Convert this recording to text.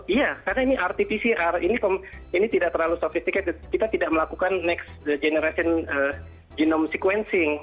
iya karena ini rt pcr ini tidak terlalu sophisticated kita tidak melakukan next generation genome sequencing